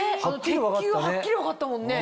はっきり分かったね。